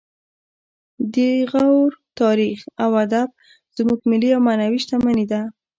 د غور تاریخ او ادب زموږ ملي او معنوي شتمني ده